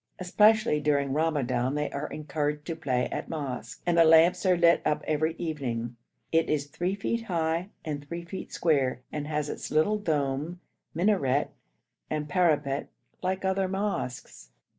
Especially during Ramadan they are encouraged to play at mosque, and the lamps are lit up every evening. It is 3 feet high and 3 feet square, and has its little dome, minaret, and parapet like other mosques.